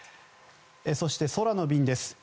そして、空の便です。